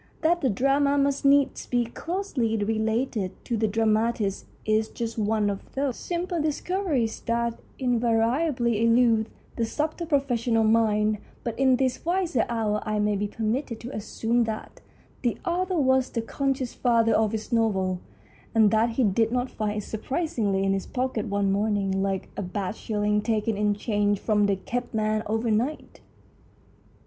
That the drama must needs be closely related to the dramatist is just one of those 116 THE STORY OF A BOOK 117 simple discoveries that invariably elude the subtle professional mind ; but in this wiser hour I may be permitted to assume that " the author was the conscious father of his novel, and that he did not find it surprisingly in his pocket one morning, like a bad shilling taken in change from the cabman overnight.